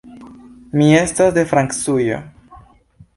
Mi estas de Francujo.